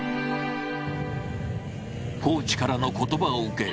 コーチからの言葉を受け